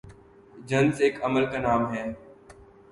جنس ایک عمل کا نام ہے